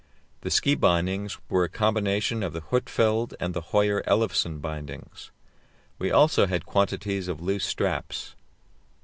The ski bindings were a combination of the Huitfeldt and the Höyer Ellefsen bindings. We also had quantities of loose straps.